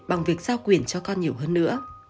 bằng việc giao quyền cho con nhiều hơn nữa